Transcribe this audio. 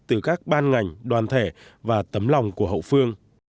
từ các ban ngành đoàn thể và tấm lòng của hậu phương